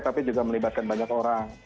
tapi juga melibatkan banyak orang